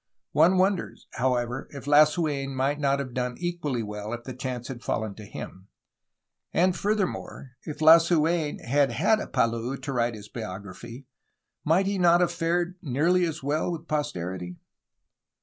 One wonders, however, if Lasu^n might not have done equally well, if the chance had fallen to him. And, furthermore, if Lasu^n had had a Palou to write his bio graphy, might he not have fared nearly as well with posterity?